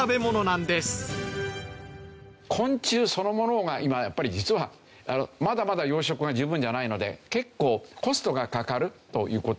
昆虫そのものが今やっぱり実はまだまだ養殖が十分じゃないので結構コストがかかるという事なんですね。